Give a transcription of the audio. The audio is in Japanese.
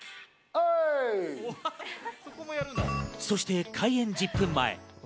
そして開演１０分前。